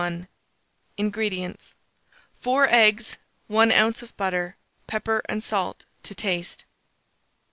INGREDIENTS. 4 eggs, 1 oz. of butter, pepper and salt to taste.